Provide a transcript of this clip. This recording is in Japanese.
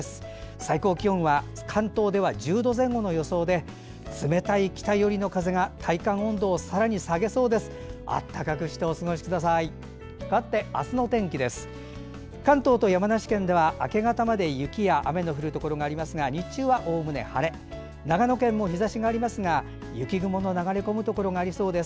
最高気温は関東では１０度前後の予想で冷たい北寄りの風が体感温度を下げそうです。